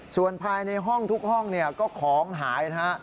ส่วนภายในห้องทุกห้องเนี่ยก็ของหายนะฮะ